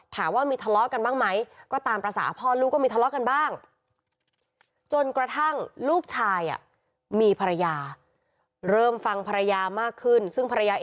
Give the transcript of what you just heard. ถามว่ามีทะเลาะกันบ้างมั้ย